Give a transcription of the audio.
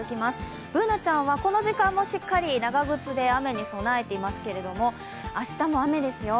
Ｂｏｏｎａちゃんはこの時間もしっかり長靴で雨に備えてますけども明日も雨ですよ。